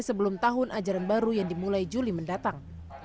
sebelum tahun ajaran baru yang akan datang